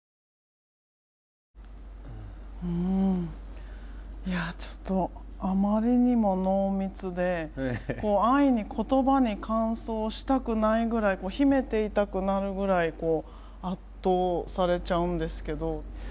うんいやちょっとあまりにも濃密で安易に言葉に換装したくないぐらい秘めていたくなるぐらい圧倒されちゃうんですけど。